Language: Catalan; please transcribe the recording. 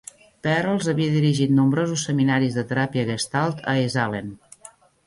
Perls havia dirigit nombrosos seminaris de teràpia Gestalt en Esalen.